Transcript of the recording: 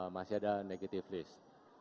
masih ada negative list